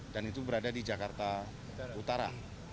dan itu berada di jakarta utara